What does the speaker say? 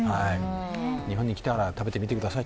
日本に来たら食べてみてください！